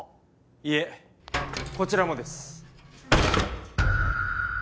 いえこちらもです。